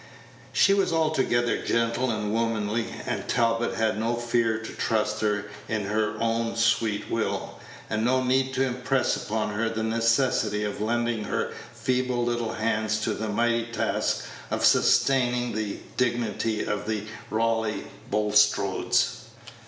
She was altogether gentle and womanly, and Talbot had no fear to trust her to her own sweet will, and no need to impress upon her the necessity of lending her feeble little hands to the mighty task of sustaining the dignity of the Raleigh Bulstrodes.